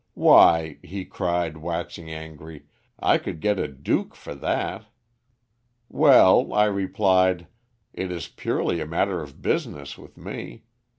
'Why,' he cried, waxing angry, 'I could get a Duke for that.'" "'Well,' I replied, 'it is purely a matter of business with me.